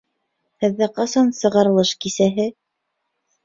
Һеҙҙә ҡасан сығарылыш кисәһе?